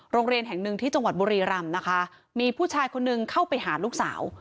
โรงเรียนแห่งหนึ่งที่จังหวัดบุรีรำนะคะมีผู้ชายคนนึงเข้าไปหาลูกสาว